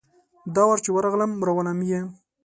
دا وار چي ورغلم ، راولم یې .